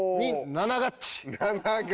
７ガッチ？